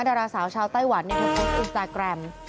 ดาราสาวชาวไต้หวันถูกโพสต์อินสตาแกรม